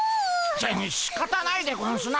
ししかたないでゴンスな。